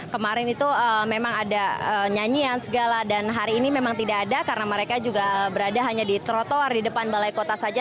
kemarin itu memang ada nyanyian segala dan hari ini memang tidak ada karena mereka juga berada hanya di trotoar di depan balai kota saja